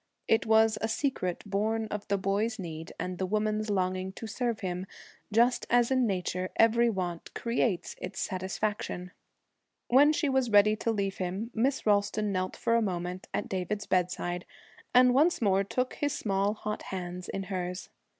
It was a secret born of the boy's need and the woman's longing to serve him; just as in nature every want creates its satisfaction. When she was ready to leave him, Miss Ralston knelt for a moment at David's bedside, and once more took his small hot hands in hers.